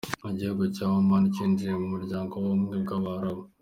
Igihugu cya Oman cyinjiye mu muryango w’ubumwe bw’abarabu.